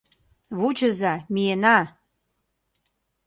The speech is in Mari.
Вучыза, миена!